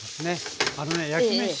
あのね焼きめし